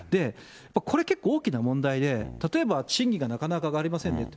これ結構大きな問題で、例えば賃金がなかなか上がりませんねと。